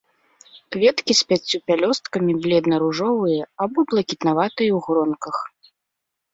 Кветкі з пяццю пялёсткамі, бледна-ружовыя або блакітнаватыя, у гронках.